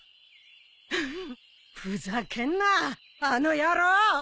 ううふざけんなあの野郎！